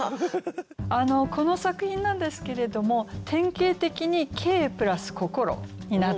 この作品なんですけれども典型的に「景」＋「心」になってるんですよね。